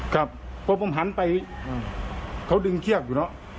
ครับพอผมหันไปเขาดึงเชือกอยู่เนอะ